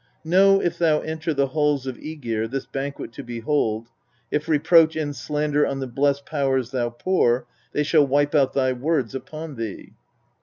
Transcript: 4. Know, if thou enter the halls of Mgir this banquet to behold, if reproach and slander on the blest Powers thou pour they shall wipe out thy words upon thee.